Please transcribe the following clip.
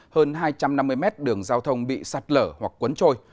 hơn hai trăm năm mươi mét đường giao thông bị sạt lở hoặc cuốn trôi